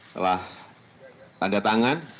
telah tanda tangan